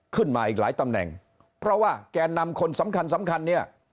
ขึ้นมาอีกหลายตำแหน่งเพราะว่าแก่นำคนสำคัญสำคัญเนี่ย